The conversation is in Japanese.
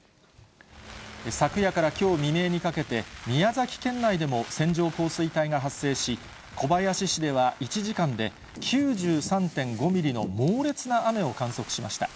昨夜からきょう未明にかけて、宮崎県内でも線状降水帯が発生し、小林市では１時間で９３．５ミリの猛烈な雨を観測しました。